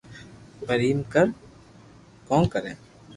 پر ايم ڪو ڪري